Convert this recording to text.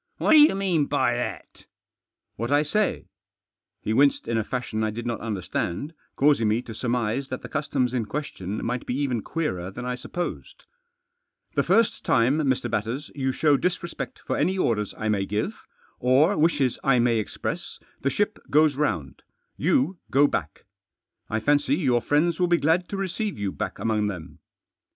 " What do you mean by that ?"" What I say." He winced in a fashion I did not understand, causing me to surmise that the customs Digitized by 268 THE JOSS. in question might be even queerer than I supposed. "The first time, Mr. Batters, you show disrespect for any orders I may give, or wishes I may express, the ship goes round — you go back. I fancy your friends will be glad to receive you back among them."